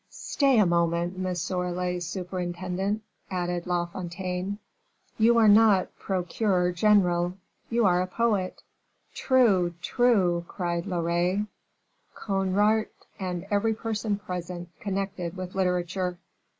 "Stay a moment, monsieur le surintendant," added La Fontaine; "you are not procureur general you are a poet." "True, true!" cried Loret, Conrart, and every person present connected with literature.